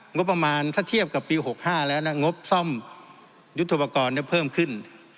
งบประมาณถ้าเทียบกับปี๖๕แล้วนะงบซ่อมยุทธปกรณ์เพิ่มขึ้น